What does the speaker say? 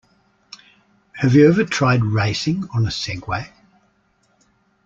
Have you ever tried racing on a Segway?